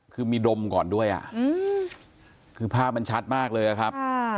คือมีดมก่อนด้วยอ่ะคือภาพมันชัดมากเลยอะครับ